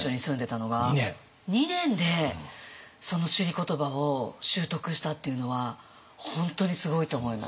２年でその首里言葉を習得したっていうのは本当にすごいと思います。